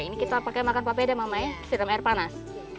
ini kita pakai makan papeda mamanya disiram air panas